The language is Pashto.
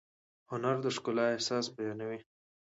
هنر د ښکلا احساس بیانوي.